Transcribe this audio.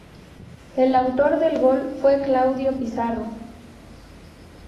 El autor del gol fue Claudio Pizarro.